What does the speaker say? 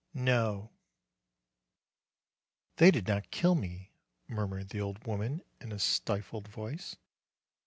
"No." "They did not kill me," murmured the old woman in a stifled voice.